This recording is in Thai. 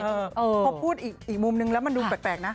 พอพูดอีกมุมนึงแล้วมันดูแปลกนะ